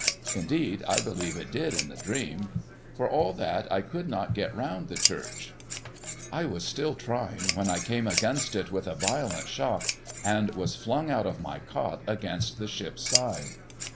Indeed, I believe it did in the dream. For all that, I could not get round the church, I was still trying when I came against 126 THE WRECK OF THE GOLDEN MARY it with a violent shock, and was flung out of my cot against the ship's side.